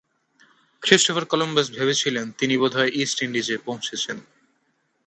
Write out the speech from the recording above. Christopher Columbus ভেবেছিলেন তিনি বোধহয় ইস্ট ইন্ডিজে পৌঁছেছেন।